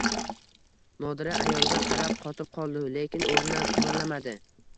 Nodira ayolga qarab qotib qoldi lekin o`rnidan qimirlamadi